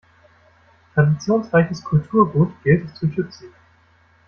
Traditionsreiches Kulturgut gilt es zu schützen.